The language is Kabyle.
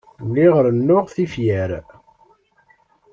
Lliɣ rennuɣ tifyar.